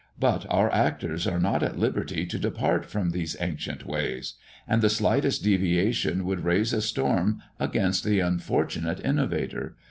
But our actors are not at liberty to depart from those ancient ways; and the slightest deviation would raise a storm against the unfortunate innovator.